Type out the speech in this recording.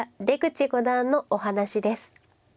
出口五段のお話です。